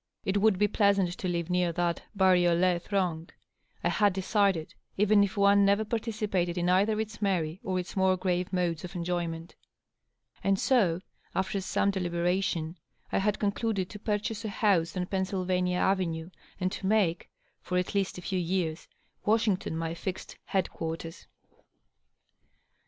It would be pleasant to live near that baruM throng, I had decided, even if one never participated in either. its merry or its more grave modes of en joyment. And so, after some deliberation, I had concluded to purchase a house on Pennsylvania Avenue, and to make, for at least a few years, Washington my fixed head quarters.